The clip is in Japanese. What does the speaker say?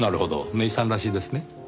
芽依さんらしいですね。